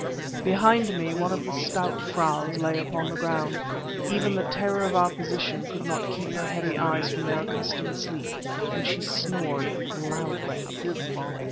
Behind me one of the stout "fraus" lay upon the ground. Even the terror of our position could not keep her heavy eyes from their accustomed sleep, and she snored loudly.